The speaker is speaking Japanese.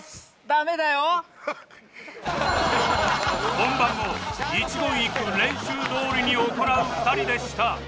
本番も一言一句練習どおりに行う２人でした